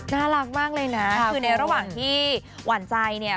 น่ารักมากเลยนะคือในระหว่างที่หวานใจเนี่ย